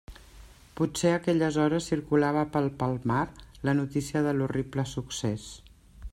Potser a aquelles hores circulava pel Palmar la notícia de l'horrible succés.